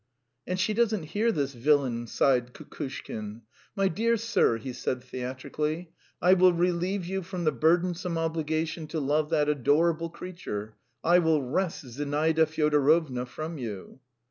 "And she doesn't hear this villain!" sighed Kukushkin. "My dear sir," he said theatrically, "I will relieve you from the burdensome obligation to love that adorable creature! I will wrest Zinaida Fyodorovna from you!"